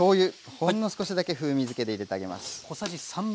ほんの少しだけ風味づけで入れてあげます。